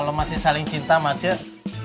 kalau masih saling cinta macet